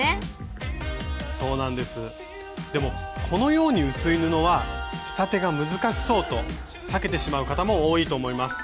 でもこのように薄い布は仕立てが難しそうと避けてしまう方も多いと思います。